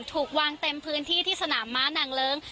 ถูกวางเต็มพื้นที่ที่สนามม้านางเลิ้ง